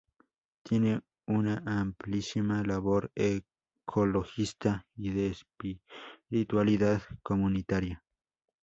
Tiene una amplísima labor ecologista y de espiritualidad comunitaria.